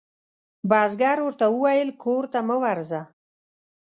بزګر ورته وویل کور ته مه ورځه.